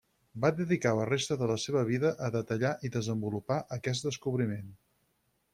Va dedicar la resta de la seva vida a detallar i desenvolupar aquest descobriment.